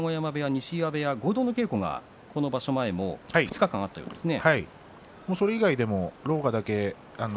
西岩部屋合同稽古が、この場所前２日間あったそうですね。